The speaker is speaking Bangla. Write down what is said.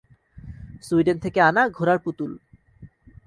সুইডেন থেকে আনা ঘোড়ার পুতুল।